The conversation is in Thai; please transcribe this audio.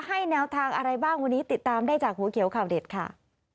แนวทางอะไรบ้างวันนี้ติดตามได้จากหัวเขียวข่าวเด็ดค่ะ